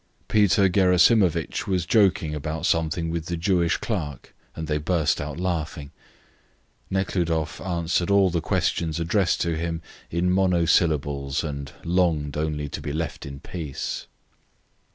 Peter Gerasimovitch was joking about something with the Jewish clerk, and they burst out laughing. Nekhludoff answered all the questions addressed to him in monosyllables and longed only to be left in peace.